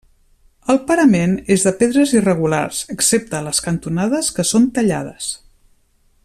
El parament és de pedres irregulars, excepte a les cantonades que són tallades.